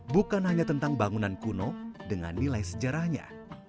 bukan hanya tentang bangunan kuno dengan nilai sejarahnya